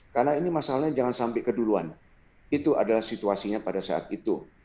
karena ini masalahnya jangan sampai keduluan itu adalah situasinya pada saat itu